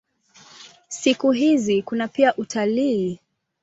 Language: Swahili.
Siku hizi kuna pia utalii.